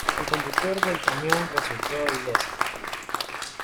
El conductor del camión resultó ileso.